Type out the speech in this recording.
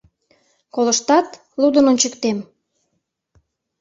— Колыштат, лудын ончыктем?